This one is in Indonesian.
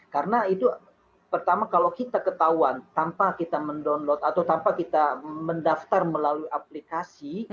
karena itu pertama kalau kita ketahuan tanpa kita mendownload atau tanpa kita mendaftar melalui aplikasi